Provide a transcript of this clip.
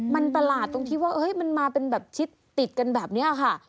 มันประหลาดตรงที่ว่ามันมาเป็นแบบชิดติดกันแบบนี้ค่ะ